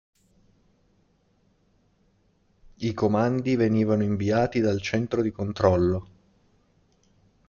I comandi venivano inviati dal centro di controllo.